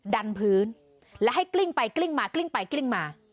ดันพื้นแล้วให้กลิ้งไปกลิ้งมา